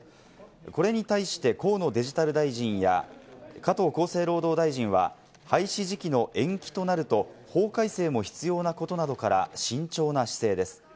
これに対して河野デジタル大臣や加藤厚生労働大臣は廃止時期の延期となると法改正も必要なことなどから慎重な姿勢です。